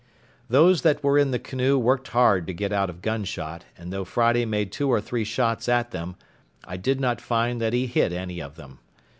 Those that were in the canoe worked hard to get out of gun shot, and though Friday made two or three shots at them, I did not find that he hit any of them.